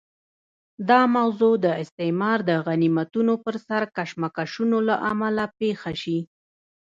دا موضوع د استعمار د غنیمتونو پر سر کشمکشونو له امله پېښه شي.